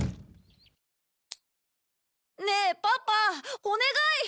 ねえパパお願い！